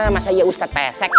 masa iya ustaz pesek